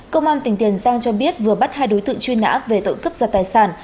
công an tỉnh tiền giang cho biết vừa bắt hai đối tượng truy nã về tội cướp giật tài sản